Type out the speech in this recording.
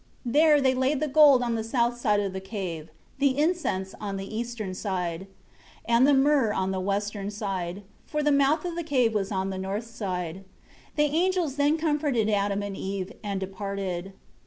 7 There they laid the gold on the south side of the cave, the incense on the eastern side, and the myrrh on the western side. For the mouth of the cave was on the north side. 8 The angels then comforted Adam and Eve, and departed.